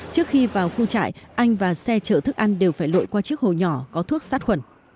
trước khi vào khu trại anh và xe chở thức ăn đều phải lội qua chiếc hồ nhỏ có thuốc sát khuẩn